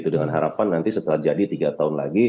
dengan harapan nanti setelah jadi tiga tahun lagi